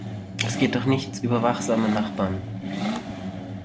Es geht doch nichts über wachsame Nachbarn!